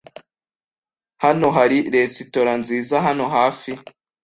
Hano hari resitora nziza hano hafi?